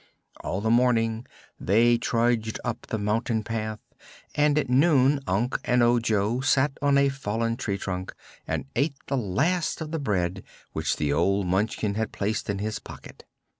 All the morning they trudged up the mountain path and at noon Unc and Ojo sat on a fallen tree trunk and ate the last of the bread which the old Munchkin had placed in his pocket.